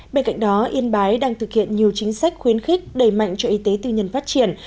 bên cạnh đó yên bái đang thực hiện nhiều chính sách khuyến khích đầy mạnh cho y tế tư nhân phát triển